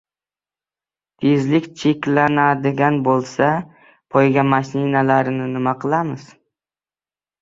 Tezlik cheklanadigan bo‘lsa, «poyga mashinalari»ni nima qilamiz?